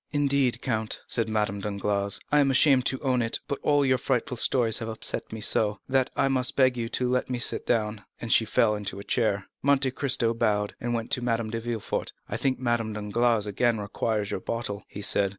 "Indeed, count," said Madame Danglars, "I am ashamed to own it, but all your frightful stories have so upset me, that I must beg you to let me sit down;" and she fell into a chair. Monte Cristo bowed, and went to Madame de Villefort. "I think Madame Danglars again requires your bottle," he said.